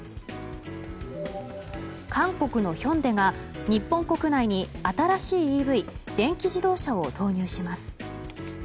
韓国のヒョンデが日本国内に新しいＥＶ・電気自動車を投入します。